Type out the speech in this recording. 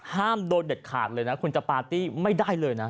ห้ามโดยเด็ดขาดเลยนะคุณจะปาร์ตี้ไม่ได้เลยนะ